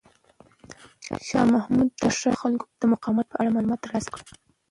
شاه محمود د ښار د خلکو د مقاومت په اړه معلومات ترلاسه کړل.